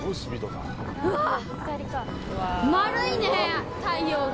うわっ！